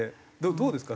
どうですかね。